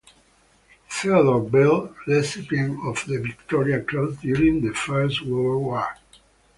Theodore Veale, recipient of the Victoria Cross during the First World War.